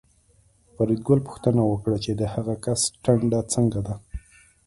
فریدګل پوښتنه وکړه چې د هغه کس ټنډه څنګه ده